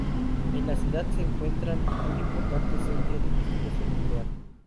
En la ciudad se encuentra un importante centro de investigación nuclear.